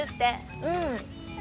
うん。